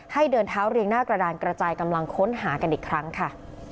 เดินเท้าเรียงหน้ากระดานกระจายกำลังค้นหากันอีกครั้งค่ะ